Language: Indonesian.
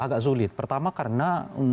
agak sulit pertama karena